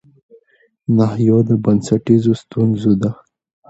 ناحيو د بنسټيزو ستونزو د